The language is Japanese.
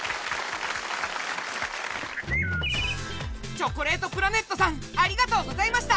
チョコレートプラネットさんありがとうございました！